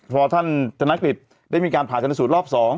พอท่านธนกฤษได้มีการผ่าชนสูตรรอบ๒